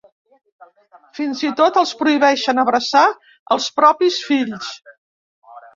Fins i tot, els prohibeixen abraçar els propis fills.